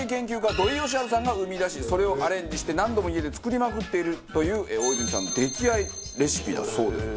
土井善晴さんが生み出しそれをアレンジして何度も家で作りまくっているという大泉さんの溺愛レシピだそうです。